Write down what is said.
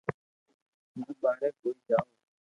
ھون ٻاري ڪوئي جاو